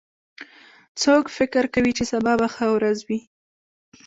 څوک فکر کوي چې سبا به ښه ورځ وي